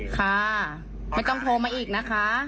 ค่ะไม่ต้องโทรมาอีกนะคะ